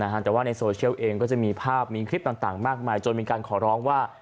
แต่ว่าในโซเชียลเองก็จะมีภาพมีคลิปต่างมากมายจนมีการขอร้องว่า